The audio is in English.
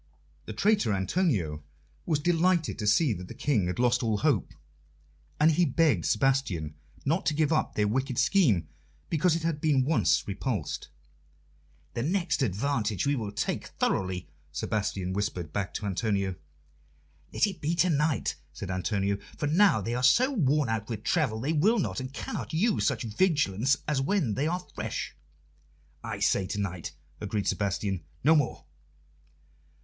The traitor Antonio was delighted to see that the King had lost all hope, and he begged Sebastian not to give up their wicked scheme because it had been once repulsed. "The next advantage we will take thoroughly," Sebastian whispered back to Antonio. "Let it be to night," said Antonio, "for now they are so worn out with travel they will not and cannot use such vigilance as when they are fresh." "I say to night," agreed Sebastian. "No more."